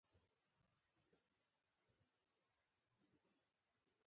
کوچني کاروبارونه د پوهنې له بهیر سره مرسته کوي.